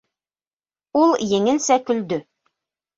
- Ул еңелсә көлдө.